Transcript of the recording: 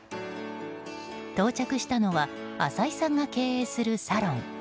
到着したのは浅井さんが経営するサロン